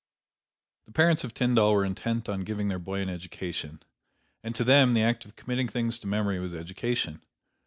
The parents of Tyndall were intent on giving their boy an education. And to them, the act of committing things to memory was education.